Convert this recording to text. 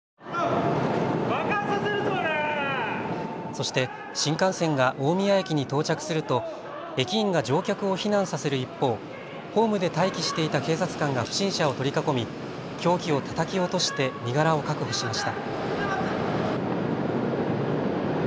そして新幹線が大宮駅に到着すると、駅員が乗客を避難させる一方、ホームで待機していた警察官が不審者を取り囲み凶器をたたき落として身柄を確保しました。